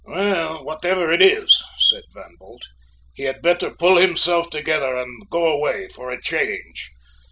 "Well, whatever it is," said Van Bult, "he had better pull himself together and go away for a change.